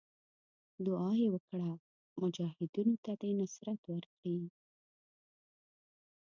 دعا یې وکړه مجاهدینو ته دې نصرت ورکړي.